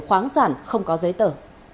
khoáng sản không có giấy tờ